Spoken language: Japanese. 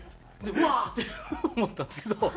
うわっ！って思ったんですけど。